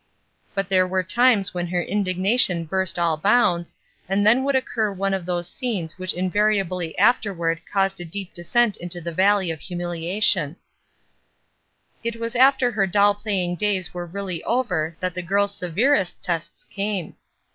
But there were times when her indignation burst all bounds, and then would occur one of those scenes which invariably afterward caused a deep descent into the valley of humiliation. 42 ESTER RIED'S NAMESAKE It was after her doll playing days were really over that the girl's severest tests came.